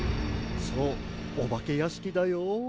そうおばけやしきだよ。